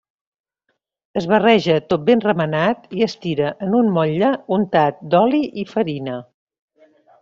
Es barreja tot ben remenat i es tira en un motlle untat d'oli i farina.